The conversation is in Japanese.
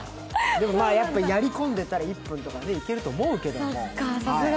でもまあ、やっぱやりこんでたら１分とか、いけると思うけど。